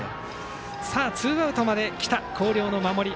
ツーアウトまで来た広陵の守り。